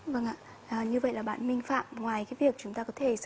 vâng ạ như vậy là bạn minh phạm ngoài cái việc chúng ta có thể